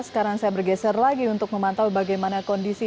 sekarang saya bergeser lagi untuk memantau bagaimana kondisi